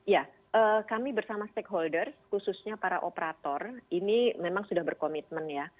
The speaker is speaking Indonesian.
ya kami bersama stakeholder khususnya para operator ini memang sudah berkomitmen ya